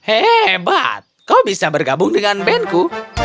hebat kau bisa bergabung dengan bandku